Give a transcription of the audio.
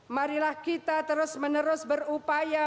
marilah kita terus menerus berupaya